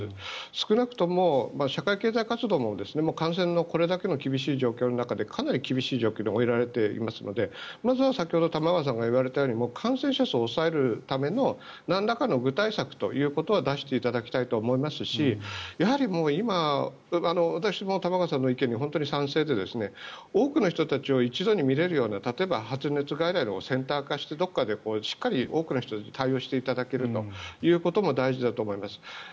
少なくとも社会経済活動も感染のこれだけ厳しい状況の中でかなり厳しい状況に追いやられていますのでまずは先ほど玉川さんが言われたように感染者数を抑えるためのなんらかの具体策ということは出していただきたいと思いますしやはりもう、今私も玉川さんの意見に本当に賛成で、多くの人たちを一度に診れるような例えば発熱外来をセンター化してどこかでしっかり多くの人を対応していただけるというのも大事だと思います。